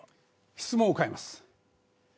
質問を変えます。